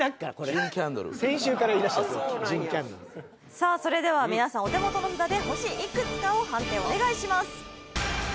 さあそれでは皆さんお手元の札で星いくつかを判定お願いします。